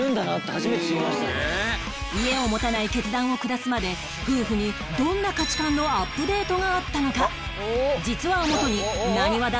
家を持たない決断を下すまで夫婦にどんな価値観のアップデートがあったのか？